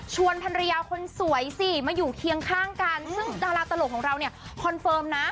ภรรยาคนสวยสิมาอยู่เคียงข้างกันซึ่งดาราตลกของเราเนี่ยคอนเฟิร์มนะ